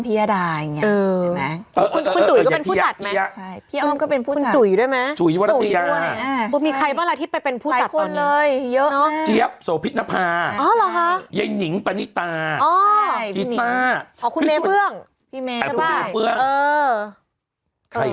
แต่ว่ากลไกลก็เหมือนกับคุณไอแอนฮองผสมอย่างเงี้ยเออใช่